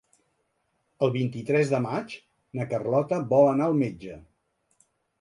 El vint-i-tres de maig na Carlota vol anar al metge.